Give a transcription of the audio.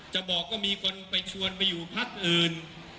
จะบอกก็มีคนไปชวนไปอยู่พักอื่น